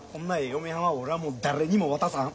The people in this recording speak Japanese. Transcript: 嫁はんは俺はもう誰にも渡さん。